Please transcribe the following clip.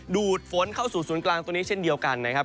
ดูดฝนเข้าสู่ศูนย์กลางตรงนี้เช่นเดียวกันนะครับ